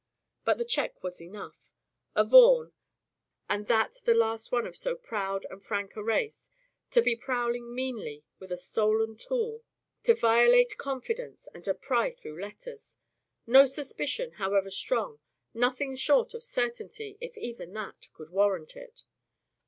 But the check was enough. A Vaughan, and that the last one of so proud and frank a race, to be prowling meanly, with a stolen tool, to violate confidence, and pry through letters! No suspicion, however strong, nothing short of certainty (if even that) could warrant it.